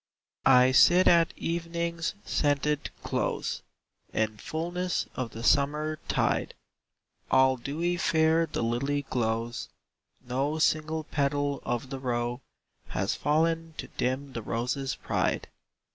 I. I sit at evening's scented close, In fulness of the summer tide; All dewy fair the lily glows, No single petal of the row; Has fallen to dim the rose's pride.